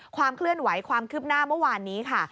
ความเคลื่อนไหวความคืบหน้าเมื่อวานนี้ค่ะ